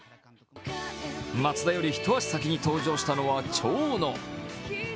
松田より一足先に登場したのは長野。